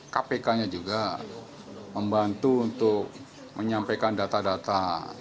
kpk nya juga membantu untuk menyampaikan data data